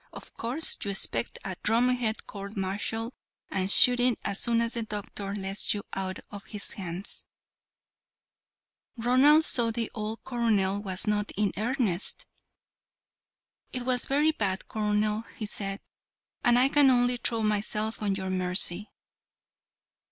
Of course, you expect a drumhead court martial and shooting as soon as the doctor lets you out of his hands." Ronald saw that the old colonel was not in earnest. "It was very bad, colonel," he said, "and I can only throw myself on your mercy."